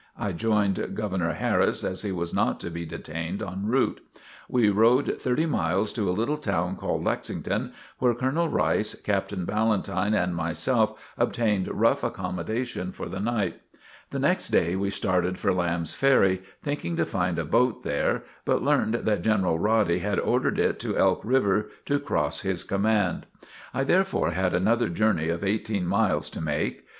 I joined Governor Harris as he was not to be detained en route. We rode thirty miles to a little town called Lexington, where Colonel Rice, Captain Ballentine and myself obtained rough accommodations for the night. The next day, we started for Lamb's Ferry, thinking to find a boat there, but learned that General Roddy had ordered it to Elk River to cross his command. I therefore had another journey of eighteen miles to make.